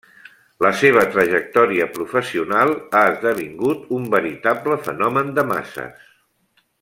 La seva trajectòria professional ha esdevingut un veritable fenomen de masses.